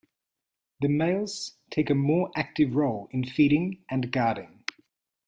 The males take a more active role in feeding and guarding.